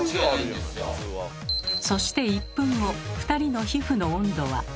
そして１分後２人の皮膚の温度は。